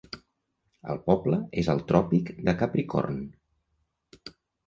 El poble és al tròpic de Capricorn.